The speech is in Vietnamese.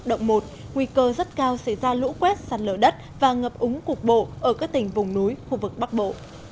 báo động một nguy cơ rất cao sẽ ra lũ quét sàn lở đất và ngập úng cuộc bộ ở các tỉnh vùng núi khu vực bắc bộ